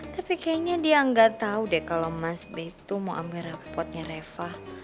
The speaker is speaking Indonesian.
tapi kayaknya dia gak tau deh kalo mas be itu mau ambil rapotnya reva